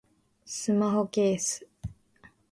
スマホケース